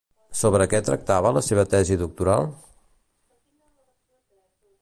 Sobre què tractava la seva tesi doctoral?